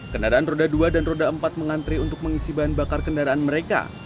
kendaraan roda dua dan roda empat mengantri untuk mengisi bahan bakar kendaraan mereka